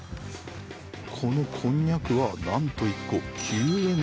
このこんにゃくはなんと１個９円です。